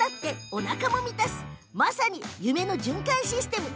これはまさに夢の循環システム。